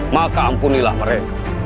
maka ampunilah mereka